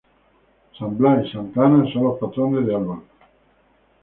San Blas y Santa Ana son los patrones de Albal.